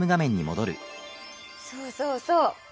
そうそうそう。